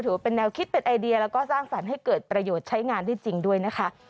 ถือว่าเป็นแนวคิดเป็นไอเดียแล้วก็สร้างสรรค์ให้เกิดประโยชน์ใช้งานได้จริงด้วยนะคะ